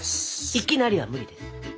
「いきなり」は無理です。